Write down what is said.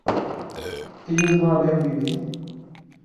¿ellos no hubieran vivido?